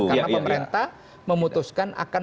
karena pemerintah memutuskan